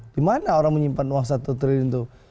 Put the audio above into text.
dimana orang menyimpan uang satu triliun itu